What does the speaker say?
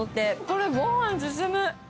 これ、ご飯進む。